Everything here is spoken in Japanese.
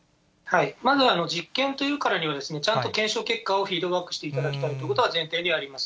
まず、実験というからには、ちゃんと検証結果をフィードバックしていただきたいというのは前提にあります。